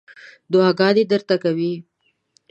دعاګانې درته کوي.